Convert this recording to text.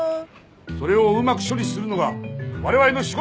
それをうまく処理するのがわれわれの仕事だからだ。